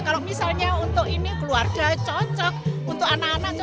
kalau misalnya untuk ini keluarga cocok untuk anak anak